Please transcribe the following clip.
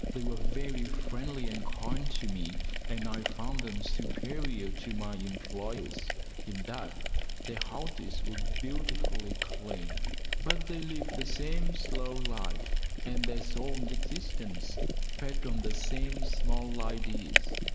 They were very friendly and kind to me, and I found them superior to my employers, in that their houses were beautifully clean; but they lived the same slow life, and their soul's existence fed on the same small ideas.